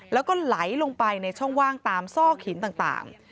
แล้วก็ไหลลงไปในช่องว่างตามซอกหินต่าง